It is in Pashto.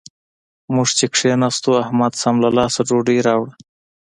موږ چې کېناستو؛ احمد سم له لاسه ډوډۍ راوړه.